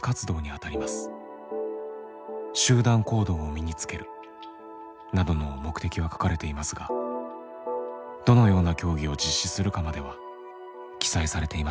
集団行動を身につけるなどの目的は書かれていますがどのような競技を実施するかまでは記載されていません。